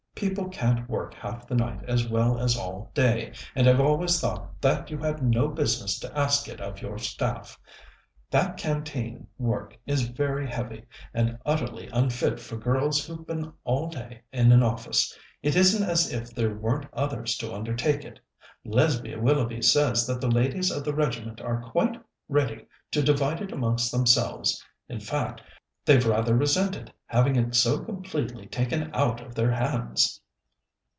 "People can't work half the night as well as all day, and I've always thought that you had no business to ask it of your staff. That Canteen work is very heavy, and utterly unfit for girls who've been all day in an office. It isn't as if there weren't others to undertake it. Lesbia Willoughby says that the ladies of the regiment are quite ready to divide it amongst themselves in fact, they've rather resented having it so completely taken out of their hands."